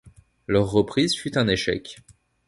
Leur reprise fut un échec.